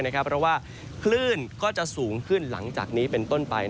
เพราะว่าคลื่นก็จะสูงขึ้นหลังจากนี้เป็นต้นไป